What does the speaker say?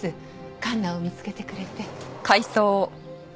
環奈を見つけてくれて。